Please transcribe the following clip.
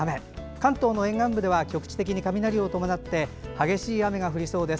関東の沿岸部では局地的に雷を伴って激しい雨が降りそうです。